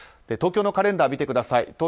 東京のカレンダーを見てください。